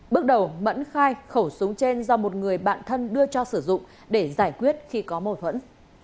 bước đầu mẫn khai khẩu súng trên do một người bạn thân đưa cho sử dụng để giải quyết khi có mâu thuẫn